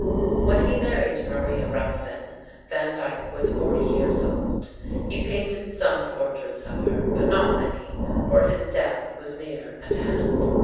When he married Maria Ruthven, Van Dyck was forty years old. He painted some portraits of her; but not many, for his death was near at hand.